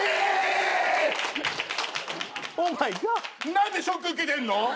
何でショック受けてんの？